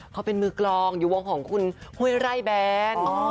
เขาเป็นมือกรองอยู่วงหิวยไร้แบน